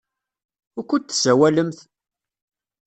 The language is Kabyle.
Wukud tessawalemt?